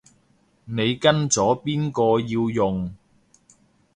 你跟咗邊個要用